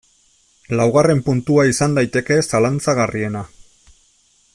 Laugarren puntua izan daiteke zalantzagarriena.